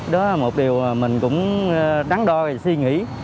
đó là một điều mà mình cũng đắn đo và suy nghĩ